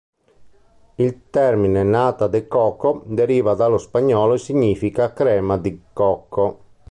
Il termine "nata de coco" deriva dallo spagnolo e significa "crema di cocco".